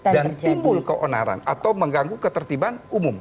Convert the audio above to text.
dan timbul keonaran atau mengganggu ketertiban umum